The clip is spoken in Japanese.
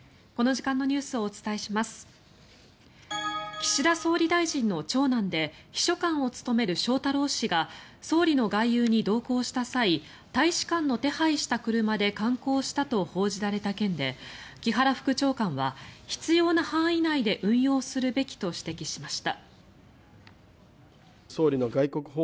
岸田総理大臣の長男で秘書官を務める翔太郎氏が総理の外遊に同行した際大使館の手配した車で観光したと報じられた件で木原副長官は「必要な範囲内で運用するべき」と指摘しました。